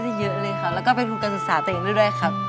ได้ไปทุนการศึกษาตัวเองด้วยครับ